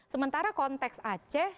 sementara konteks aceh